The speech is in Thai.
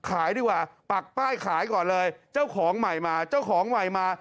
ขายดีกว่าปักป้ายขายก่อนเลยเจ้าของใหม่มาเจ้าของใหม่มา